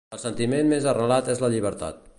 El sentiment més arrelat és la llibertat.